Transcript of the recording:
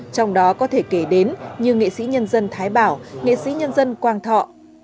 trong đó có thể kể đến như nghệ sĩ nhân dân thái bảo nghệ sĩ nhân dân quang thọ